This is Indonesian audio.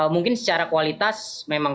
mungkin secara kualitas memang